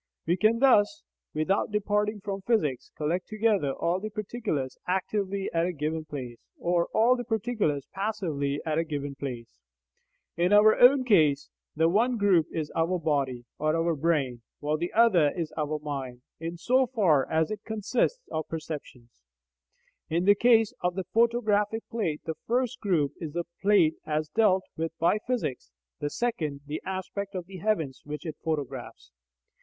We can thus, without departing from physics, collect together all the particulars actively at a given place, or all the particulars passively at a given place. In our own case, the one group is our body (or our brain), while the other is our mind, in so far as it consists of perceptions. In the case of the photographic plate, the first group is the plate as dealt with by physics, the second the aspect of the heavens which it photographs.